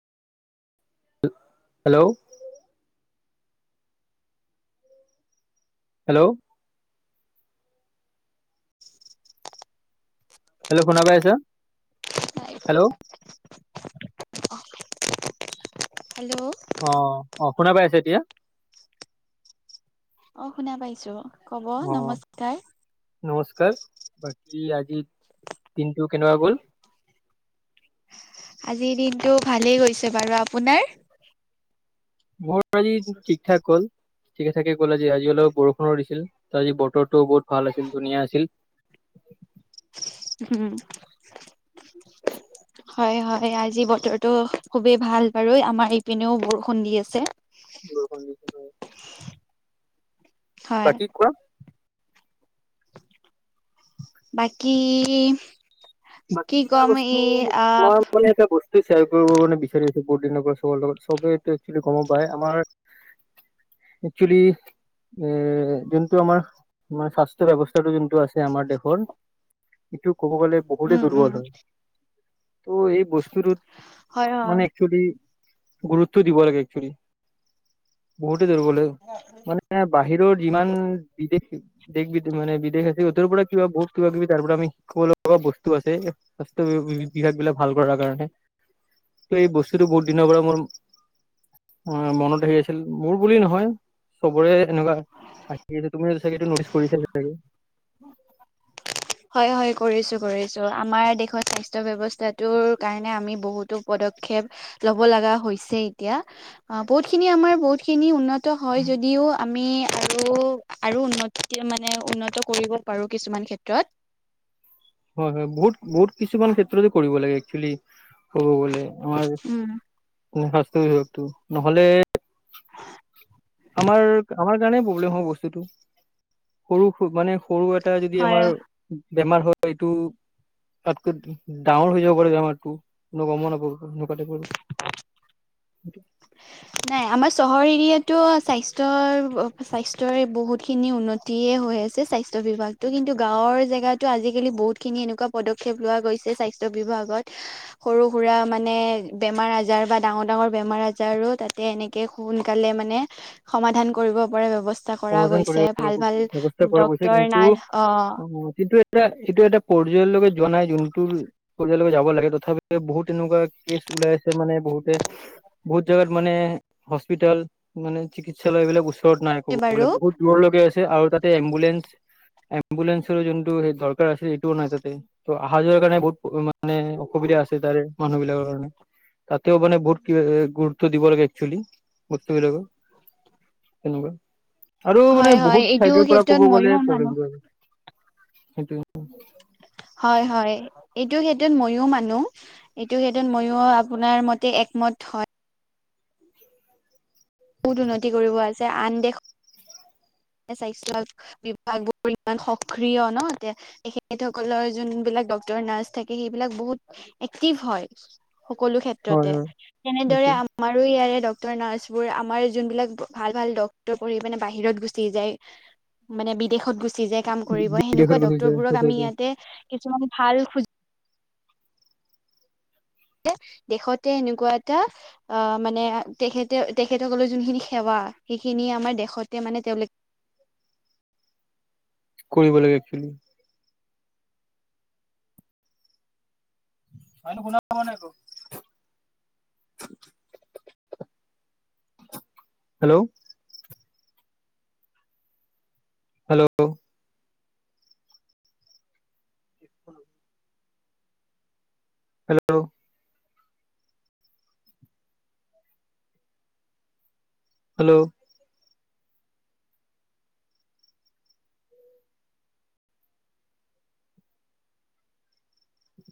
Hello. Hello. Hello শোনা পাই আছা, হেল্ল'? হেল্ল'। অ' অ', শুনা পাইছে এতিয়া? অ', শুনা পাইছো। কব অ', নমস্কাৰ নমস্কাৰ বাকি আজি দিনটো কেনেকুৱা গ'ল? আজিৰ দিনটো ভালেই গৈছে বাৰু, আপোনাৰ? মোৰ আজি ঠিক-ঠাক হ'ল। ঠিকে থাকে গ'ল আজি। আজি অলপ বৰষুণো দিছিল, ত' আজি বতৰটো বহুত ভাল আছিল ধুনীয়া আছিল। [unintelligible] উম। হয় হয়, আজি বতৰটো খুবেই ভাল বাৰু আমাৰ ইপিনেও বৰষুণ দি আছে। বৰযুণ দি [unintelligible] হয় বাাকী কোৱা। বাকী বাকী কি এটা ক'ম বস্তু, এই আহ মই মানে এটা বস্তু চেয়াৰ কৰিব মানে বিচাৰি আছো বহুত দিনৰ পৰা চবৰ লগত, চবেই এটো একচোৱেলি গমো পাই আমাৰ একচোলি এ যোনটো আমাৰ মানে স্বাস্থ্য ব্যৱস্থাটো যোনটো আছে আমাৰ দেশৰ, এইটো ক'ব গ'লে বহুতে উম উম দুৰ্বল হয়। ত' এই বস্তুটোত হয় হয় মানে একচলি গুৰুত্ব দিব লাগে একচলি। বহুতে দূৰ্বলে, মানে বাহিৰৰ যিমান বিদেশ দেশ বিদ মানে বিদেশ আছে, সিহঁতৰ পাৰা কিবা বহুত কিবা-কিবি তাৰ পাৰা আমি শিকিবলৈ এনেকুৱা বস্তু আছে, এ স্বাস্থ্য বি-বিভাগ বিলাক ভাল কৰাৰ কাৰণে। ত' এই বস্তুটো বহুত দিনৰ পাৰা মোৰ অ', মনত হেৰি আছিল মোৰ বুলি নহয়, চবৰে এনেকুৱা আছে তুমিটো চাগে এই নটিচ কৰিছা চাগে। [inaudible] হয় হয়, কৰিছো কৰিছো আমাৰ দেশৰ স্বাস্থ্য ব্যৱস্থাটোৰ কাৰণে আমি বহুতো পদ শেপ লব লাগা হৈছে এতিয়া। আ' বহুত খিনি আমাৰ বহুত খিনি উন্নত হয় যদি ইও আমি আৰু আৰু উন্নতি মানে উন্নত কৰিব পাৰো কিছুমান ক্ষেত তাত হয় হয়, বহুত বহুত কিছুমান ক্ষেত্ৰতে কৰিব লাগে একচোৱেলি। ক'ব গলে আমাৰ উম মানে স্বাস্থ্য বিভাগটো, নহলে আমাৰ আমাৰ কাৰণে প্ৰব্লেম হয় বস্তুতটো, সৰু মানে সৰু এটা যদি হয় আমাৰ বেমাৰ হয় এইটো তাতকৈ ডাঙৰ হৈ যাব পাৰে বেমাৰতটো, কোনো গমো নাপাব। [unintelligible] নাই, আমাৰ চহৰ এৰিয়াতো স্বাস্থ্যয়ৰ অ স্বাস্থ্যৰ বহুত খিনি উন্নতিয়ে হৈ আছে স্বাস্থ্য বিভাগতো কিন্ত গাঁৱৰ জেগাতো আজিকালি বহুতখিনি এনেকুৱা পদক্ষেপ লোৱা গৈছে স্বা স্বাস্থ্য বিভাগত, সৰু-সুৰা মানে বেমাৰ আজাৰ বা ডাঙৰ-ডাঙৰ বেমাৰ আজাৰো তাত এনেকে সোনকালে মানে সমাধান কৰিব পাৰে ব্যৱস্থা কৰা সমাধান গৈছে কৰিব ভাল ভাল ব্যৱস্থা কৰাৈ হৈছে, ডক্তৰ কিন্তু নাৰ্ছ অ অ কিন্তু এ এইটো এটা পৰ্যায়লৈকে যোৱা নাই, যোনটো পৰ্যায়লৈকে যাব লাগে তথাপি বহুত এনেকুৱা কে ওলাই আছে মানে বহুতে বহুত জাগাত মানে হস্পিতাল, মানে চিকিৎসালয় এইবিলাক ওচৰত মানে বাৰু বহুত দৰলৈ লগে আছে আৰু তাতে এম্বুলেন্ঞ্চ এম্বুলেসৰো যোনটো সেই দৰকাৰ আছিল এইটোও নাই তাতে ত অহা যোৱাৰ কাৰণে ব মানে অসুবিধা আছে তাৰে মানুহ বিলাকৰ কাৰণে। তাতেও মানে বহুত গুৰুত্ব দিব লাগে একচোৱেলি বস্তুবিলাকৰ। তেনেকুৱা আৰু মানে হয় হয় বহুত এইটো চাইডৰ পৰা ক্ষেত্ৰত ক'ব গ'লে ময়ো মানুহ প্ৰব্লেম আৰু সেইটো হয় হয়। এইটো ক্ষেত্ৰত মইো মানো এইটো ক্ষেত্ৰত ময়ো আপোনাৰ মতে একমত হয় বহুত উন্নতি কৰিব আছে আন দেশ স্বাস্থ্য বিভাগ বোৰ ইমান সক্ৰিয় ন এ তেখ সকলৰ যোন বিলাক ডক্তৰ নাৰ্ছ থাকে সেইবিলাক বহুত এক্টিভ হয়। সকলো হয় ক্ষেত্ৰতে হয় তেনেদৰে সেইটোৱে আমাৰো ইয়াৰে নাৰ্চবোৰ আমাৰ যোনবিলাক ভাল ভাল ডক্তৰ পঢ়ি মানে বাহিৰত গৈছে। যাই মানে বিদেশত গুশিজাই যাই কাম কৰিব বিদেশৰ সেনেকুৱা কথা ডক্তৰবোৰক আমি সঁচাকে ইয়াতে কিছুমান ভাল দেশতে এনেকুৱা এটা আহ মানে তেখেতে তেখেতসকলৈ যোনখিনি সেৱা। সেইখিনি আমাৰ দেশতে মানে তেওঁলোকে [inaudible] কৰিব লাগিব actually. [unintelligible] Hello hello hello hello